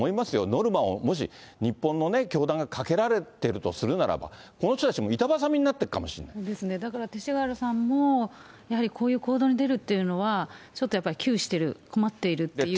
ノルマを、もし日本のね、教団がかけられているとするならば、この人たちもですね、だから勅使河原さんもやはり、こういう行動に出るというのは、ちょっとやっぱり窮してる、困っているっていう。